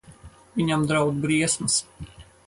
Viņam draud briesmas.